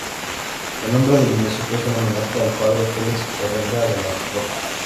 El nombre del municipio es un homenaje al padre Felix Ferreira de la Roca.